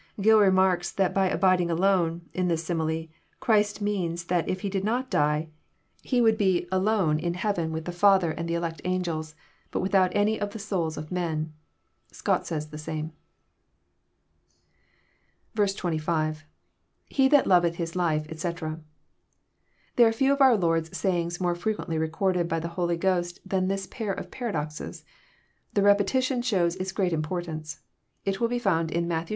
\ Gill remarks, that by " abiding alone," in this simile, Christ ^ meant that if He did not die, He would be '* alone "in heaven JOHN, CHAP. xn. 339 \ with the Father and the elect angels, but without any of tho sons of men. Scott says the same. 26.— [ir« that loveth his life, etc.'] There are few of our Lord's say ings more frequently recorded by the Holy Ghost than this pair of paradoxes. The repetition shows its great importance. It will be found in Matt. x.